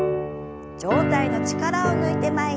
上体の力を抜いて前に。